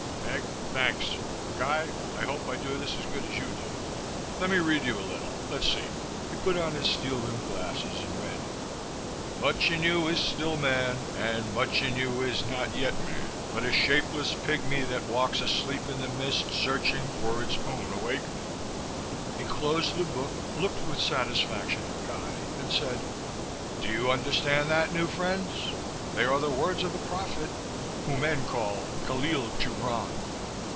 "Meg, thanks. Guy, I hope I do this as good as you do. Let me read you a little. Let's see." He put on his steel rimmed glasses and read: "Much in you is still man, and much in you is not yet man, but a shapeless pigmy that walks asleep in the mist searching for its own awakening." He closed the book, looked with satisfaction at Guy and said: "Do you understand that, new friends? They are the words of the Prophet, who men call Kahlil Gibran.